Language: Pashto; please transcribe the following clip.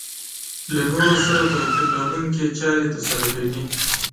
له نورو سره توپير لرونکې چارې ترسره کوي.